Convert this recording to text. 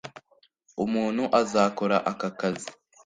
Umuntu azakora aka kazi